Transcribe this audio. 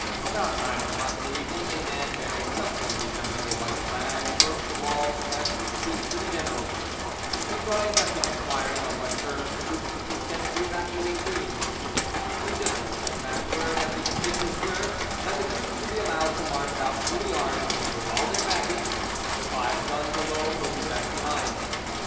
About nine o'clock in the evening, a man bearing something resembling a white flag approached the walls and asked to speak to the general. He brought a message inquiring on what terms the troops would consent to evacuate Nimes. The general sent back word that the conditions were, that the troops should be allowed to march out fully armed and with all their baggage; the five guns alone would be left behind.